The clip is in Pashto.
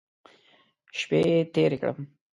شپې تېرې کړم.